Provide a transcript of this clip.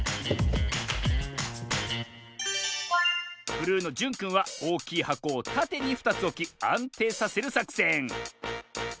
ブルーのじゅんくんはおおきいはこをたてに２つおきあんていさせるさくせん。